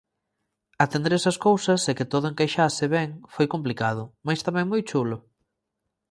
Atender esas cousas e que todo encaixase ben foi complicado, mais tamén moi chulo.